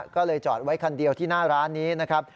ก็เลยจอดไว้คันเดียวที่หน้าร้านนี้นะครับ